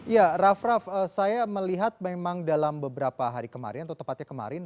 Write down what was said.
ya raff raff saya melihat memang dalam beberapa hari kemarin atau tepatnya kemarin